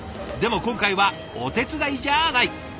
でも今回はお手伝いじゃない！